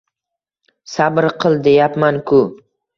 Sabr qil deyapman-ku